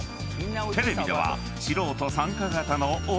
テレビでは］